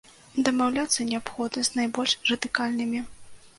Дамаўляцца неабходна з найбольш радыкальнымі.